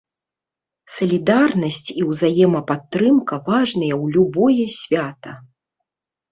Салідарнасць і ўзаемападтрымка важныя ў любое свята.